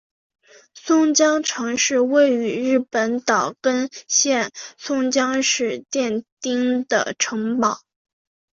松江城是位于日本岛根县松江市殿町的城堡。